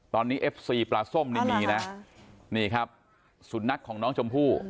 ตอนนี้เอฟซีปลาส้มนี่มีนะนี่ครับสุนัขของน้องชมพู่